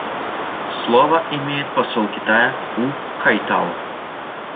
Слово имеет посол Китая У Хайтао.